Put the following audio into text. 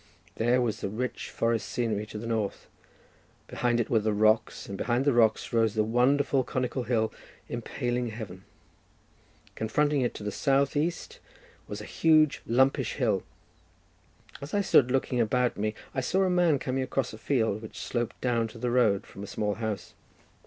There was the rich forest scenery to the north, behind it were the rocks, and behind the rocks rose the wonderful conical hill impaling heaven; confronting it to the south east was a huge lumpish hill. As I stood looking about me, I saw a man coming across a field which sloped down to the road from a small house.